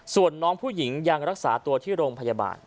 ส่วนน้องผู้หญิงยังรักษาตัวที่โรงพยาบาล